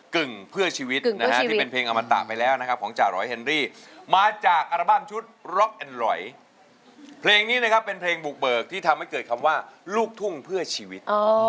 เขาเรียกว่าอีกแนวหนึ่ง